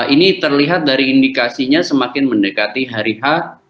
ini terlihat dari indikasinya semakin mendekati hari h